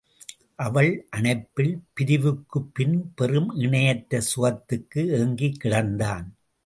அவள் அணைப்பில் பிரிவுக்குப்பின் பெறும் இணையற்ற சுகத்துக்கு ஏங்கிக் கிடந்தான்.